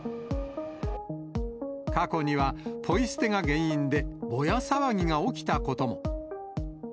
過去には、ポイ捨てが原因でぼや騒ぎが起きたことも。